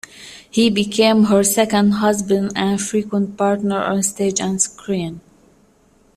He became her second husband and frequent partner on stage and screen.